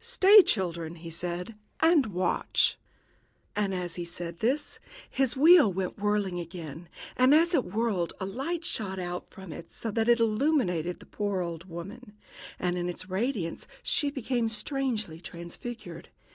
"Stay, children," he said, "and watch." And, as he said this, his wheel went whirling again; and as it whirled a light shot out from it, so that it illuminated the poor old woman, and in its radiance she became strangely transfigured.